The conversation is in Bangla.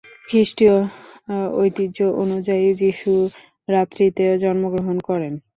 খ্রিস্টীয় ঐতিহ্য অনুযায়ী যিশু রাত্রিতে জন্মগ্রহণ করেন।